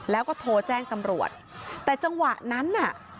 แล้วก็โทรแจ้งตำรวจแต่จังหวะนั้นน่ะ